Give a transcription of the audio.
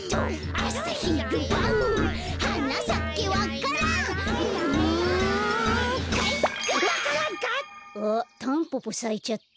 あっタンポポさいちゃった。